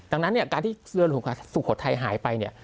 ดังนั้นเนี่ยการที่เรือหลวงสุโขทัยหายไปเนี่ย